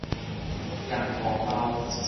鹹塗豆